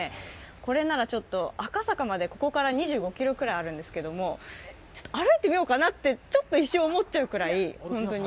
これなら赤坂までここから２５ｋｍくらいあるんですけど歩いてみようかなって、一瞬思っちゃうくらい、本当に。